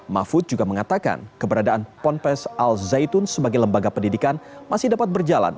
mahfud juga mengatakan keberadaan ponpes al zaitun sebagai lembaga pendidikan masih dapat berjalan